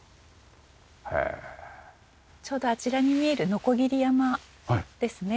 ちょうどあちらに見える鋸山ですね。